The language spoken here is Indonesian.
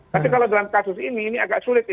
tapi kalau dalam kasus ini ini agak sulit